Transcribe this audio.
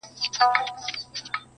هسي نه چي شوم اثر دي پر ما پرېوزي!!